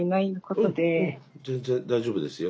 うん全然大丈夫ですよ。